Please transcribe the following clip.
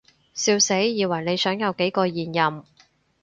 笑死，以為你想有幾個現任